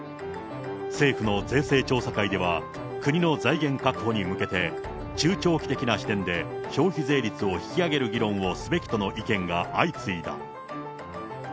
政府の税制調査会では、国の財源確保に向けて、中長期的な視点で消費税率を引き上げる議論をすべきとの意見が相次いだ。